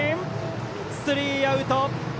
スリーアウト！